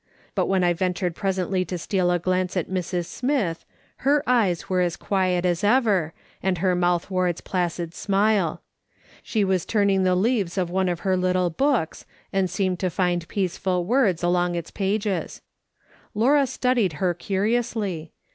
But when I ventured presently to steal a glance at Mrs. Smith, her eyes were as quiet as ever, and her mouth wore its placid smile. She was turning the leaves of one of her little books, and seemed to find peaceful words along its pages. Laura studied her curiously.